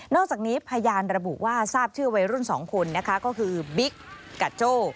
อกจากนี้พยานระบุว่าทราบชื่อวัยรุ่น๒คนนะคะก็คือบิ๊กกับโจ้